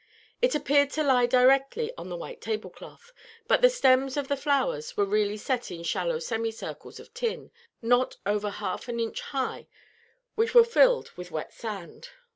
It appeared to lie directly on the white tablecloth; but the stems of the flowers were really set in shallow semi circles of tin, not over half an inch high, which were filled with wet sand.